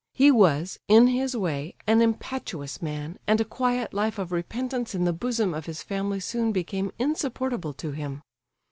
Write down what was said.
He was, in his way, an impetuous man, and a quiet life of repentance in the bosom of his family soon became insupportable to him.